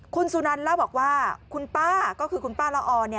คุณสุนันเล่าบอกว่าคุณป้าก็คือคุณป้าละออ